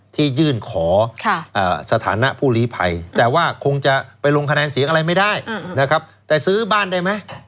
ที่ยื่นขอสถานะผู้ลีภัยแต่ว่าคงจะไปลงคะแนนเสียงอะไรไม่ได้นะครับแต่ซื้อบ้านได้ไหม